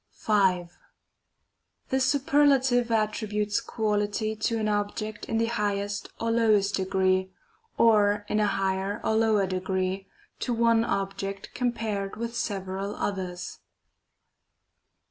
5. The superlative attributes quality to an object in the highest or lowest degree, or in a higher or lower degree, to one object compared with several others.